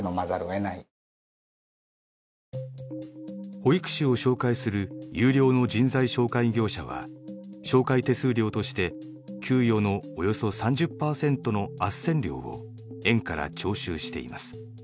保育士を紹介する有料の人材紹介業者は紹介手数料として給与のおよそ３０パーセントのあっせん料を園から徴収しています。